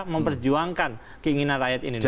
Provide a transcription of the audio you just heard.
memperjuangkan keinginan rakyat indonesia